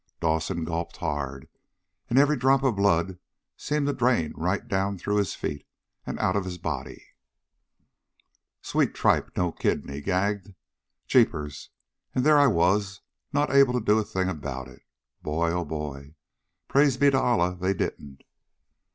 Dawson gulped hard, and every drop of blood seemed to drain right down through his feet, and on out of his body. "Sweet tripe, no kidding?" he gagged. "Jeepers! And there I was not able to do a thing about it. Boy, oh boy! Praise be to Allah, they didn't!"